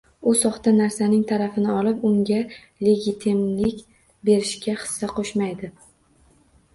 U soxta narsaning tarafini olib unga legitimlik berishga hissa qo‘shmaydi.